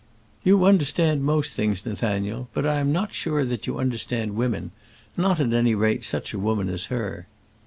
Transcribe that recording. You understand most things, Nathaniel; but I am not sure that you understand women; not, at any rate, such a woman as her."